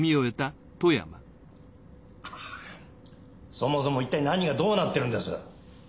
そもそもいったい何がどうなってるんです？